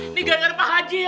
ini ganjar pak haji ya